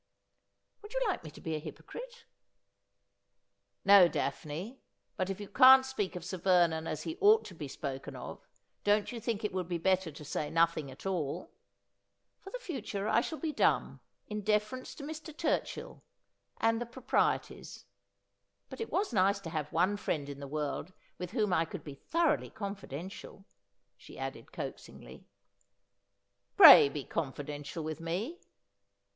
' "Would you like me to be a hypocrite ?'' No, Daphne. But if you can't speak of Sir Vernon as he ought to be spoken of, don't you think it would be better to say nothing at all ?'' For the future I shall be dumb, in deference to Mr. Tur chill — and the proprieties. But it was nice to have one friend in the world with whom I could be thoroughly confidential,' she added coaxingly. ' Pray be confidential with me.'